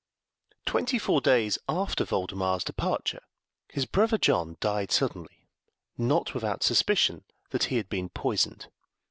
Twenty four days after Voldemar's departure his brother John died suddenly, not without suspicion that he had been poisoned.